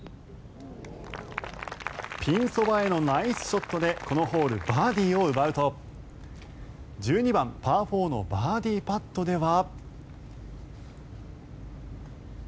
ピンそばへのナイスショットでこのホール、バーディーを奪うと１２番、パー４のバーディーパットでは。